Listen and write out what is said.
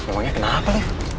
makanya kenapa leho